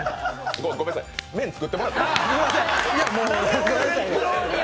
ごめんなさい、麺作ってもらっていいですか？